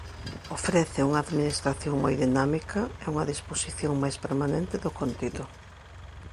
Ofrece unha administración moi dinámica e unha disposición máis permanente do contido.